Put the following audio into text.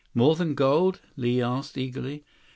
73 "More than gold?" Li asked eagerly.